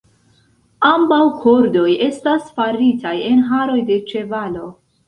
Ambaŭ kordoj estas faritaj en haroj de ĉevalo.